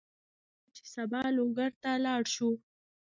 موږ غواړو چې سبا لوګر ته لاړ شو.